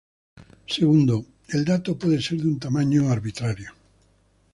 Segundo, el dato puede ser de un tamaño arbitrario.